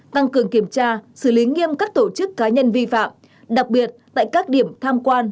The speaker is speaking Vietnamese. tăng cường kiểm tra xử lý nghiêm các tổ chức cá nhân vi phạm đặc biệt tại các điểm tham quan